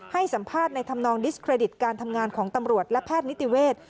ให้สัมภาษณ์ในธรรมนองดิสเครดิตการทำงานของตำรวจและแพทย์นิติเวศ